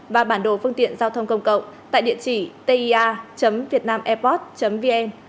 và bản đồ phương tiện giao thông công cộng tại địa chỉ tia vietnamairport vn